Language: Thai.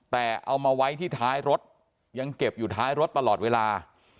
แต่เอามาไว้ที่ท้ายรถยังเก็บอยู่ท้ายรถตลอดเวลา